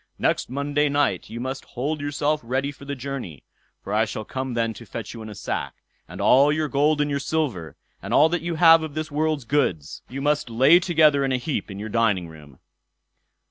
Next Monday night you must hold yourself ready for the journey, for I shall come then to fetch you in a sack; and all your gold and your silver, and all that you have of this world's goods, you must lay together in a heap in your dining room."